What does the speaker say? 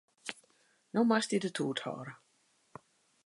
No moatst dy de toet hâlde.